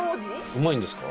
うまいんですか？